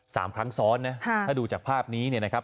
สามครั้งซ้อนนะถ้าดูจากภาพนี้นะครับ